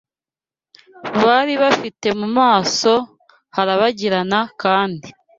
Bari bafite mu maso harabagirana kandi